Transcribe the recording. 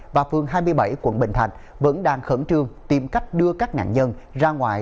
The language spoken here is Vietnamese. và phương hai mươi bảy quận bình thạnh vẫn đang khẩn trương tìm cách đưa các nạn nhân ra ngoài